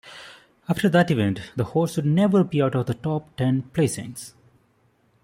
After that event, the horse would never be out of the top ten placings.